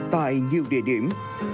tại nhiều địa điểm